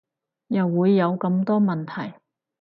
又會有咁多問題